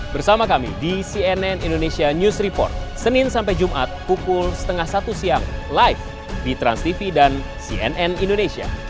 bersama kami di cnn indonesia news report senin sampai jumat pukul setengah satu siang live di transtv dan cnn indonesia